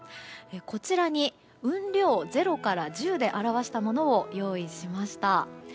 こちらに雲量を０から１０で表したものを用意しました。